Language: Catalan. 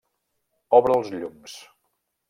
Obre els llums.